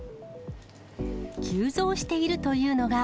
急増しているというのが。